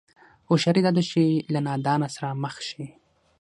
هوښياري دا ده چې له نادانه سره مخ شي.